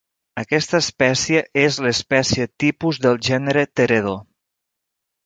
Aquesta espècie és l'espècie tipus del gènere "Teredo".